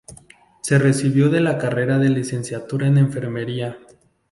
Se recibió de la carrera de Licenciada en Enfermería.